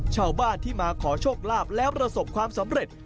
ชาวบ้านที่มาขอโชคลาภแล้วประสบความสำเร็จ